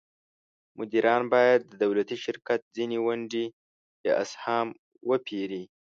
مدیران باید د دولتي شرکت ځینې ونډې یا اسهام وپیري.